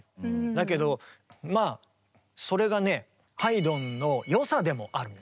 だけどまあそれがねハイドンのよさでもあるんです。